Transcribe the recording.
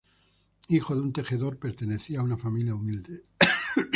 Hijo de un tejedor, pertenecía a una familia humilde.